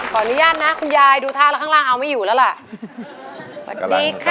ขออนุญาตนะคุณยายดูท่าแล้วข้างล่างเอาไม่อยู่แล้วล่ะสวัสดีค่ะ